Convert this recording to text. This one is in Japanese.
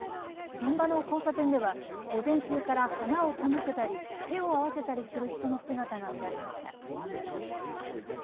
現場の交差点では午前中から花を手向けたり手を合わせたりする人の姿が見られました。